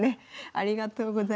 ありがとうございます。